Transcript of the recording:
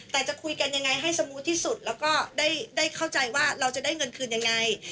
แต่จะคุยกันยังไงให้สมูทที่สุดแล้วก็ได้เข้าใจว่าเราจะได้เงินคืนยังไง